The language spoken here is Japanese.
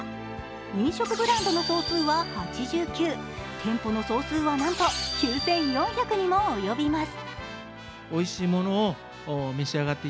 飲食ブランドの総数は８９、店舗の総数はなんと９４００にも及びます。